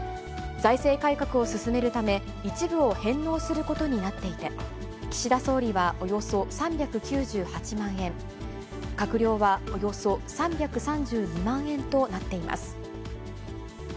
財政改革を進めるため、一部を返納することになっていて、岸田総理はおよそ３９８万円、閣僚はおよそ３３２万円となっています。